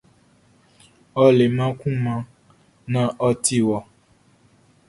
Ɔ leman kunman naan ɔ ti wɔ.